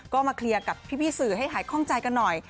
ก็มาเคลียร์กับพี่สื่อให้หายคล่องใจกันหน่อย